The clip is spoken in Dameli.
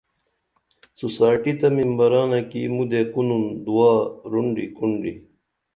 سوسائٹی تہ ممبرانہ کی مُدے کُنُن دعا رُنڈی کُنڈی